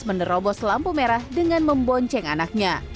menerobos lampu merah dengan membonceng anaknya